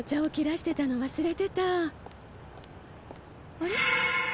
あれ？